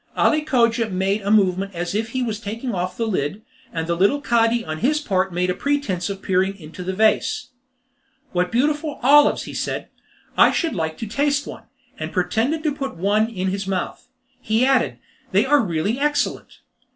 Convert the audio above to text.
Ali Cogia made a movement as if he was taking off the lid, and the little Cadi on his part made a pretence of peering into a vase. "What beautiful olives!" he said, "I should like to taste one," and pretending to put one in his mouth, he added, "they are really excellent!